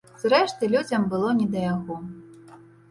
Зрэшты, людзям было не да яго.